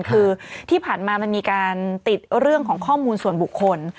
คือที่ผ่านมามันมีการติดเรื่องของข้อมูลส่วนบุคคล